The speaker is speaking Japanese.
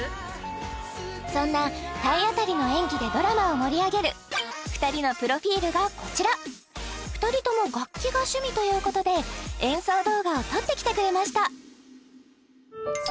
そんな体当たりの演技でドラマを盛り上げる２人のプロフィールがこちら２人とも楽器が趣味ということで演奏動画を撮ってきてくれました